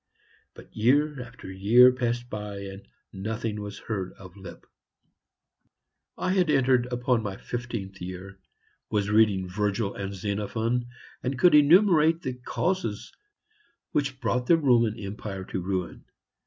But year after year passed by and nothing was heard of Lipp. I had entered upon my fifteenth year, was reading Virgil and Xenophon, and could enumerate the causes which brought the Roman empire to ruin.